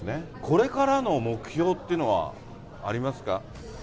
これからの目標っていうのはありますか？